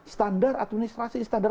standar administrasi standar